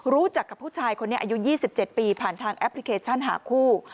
รู้จักกับผู้ชายคนนี้อายุ๒๗ปีผ่านทางแอปพลิเคชันหาคู่